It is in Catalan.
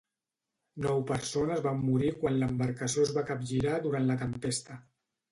Nou persones van morir quan l'embarcació es va capgirar durant la tempesta.